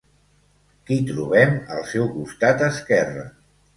Qui trobem al seu costat esquerre?